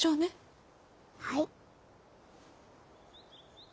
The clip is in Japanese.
はい！